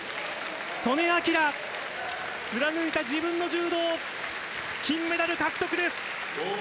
素根輝、貫いた自分の柔道、金メダル獲得です。